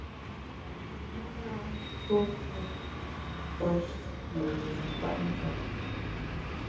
I na ntuo tuo pé me yin kwet njap.